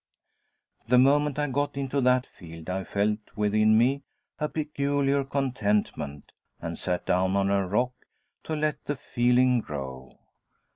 The moment I got into that field I felt within me a peculiar contentment, and sat down on a rock to let the feeling grow.